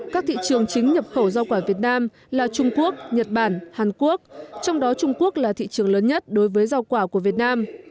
các thị trường chính nhập khẩu rau quả việt nam là trung quốc nhật bản hàn quốc trong đó trung quốc là thị trường lớn nhất đối với rau quả của việt nam